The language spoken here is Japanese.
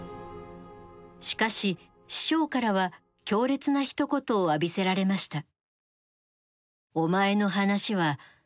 しかし師匠からは強烈なひと言を浴びせられました。